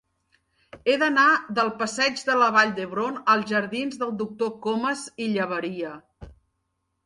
He d'anar del passeig de la Vall d'Hebron als jardins del Doctor Comas i Llaberia.